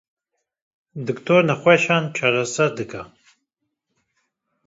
Doktor nexweşan çareser dike